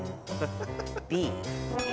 Ｂ？